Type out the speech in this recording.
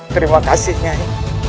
terima kasih nyai